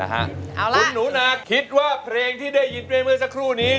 คุณหนูนาคิดว่าเพลงที่ได้ยินไปเมื่อสักครู่นี้